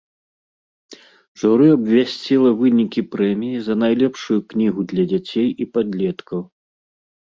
Журы абвясціла вынікі прэміі за найлепшую кнігу для дзяцей і падлеткаў.